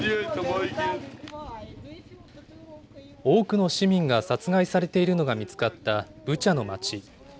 多くの市民が殺害されているのが見つかった、ブチャの町。